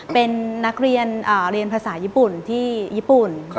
เป็นนักเรียนเรียนภาษาญี่ปุ่นที่ญี่ปุ่น